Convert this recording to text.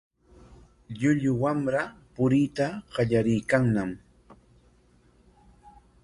Llullu wamra puriyta qallariykanñam.